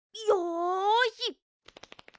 よし！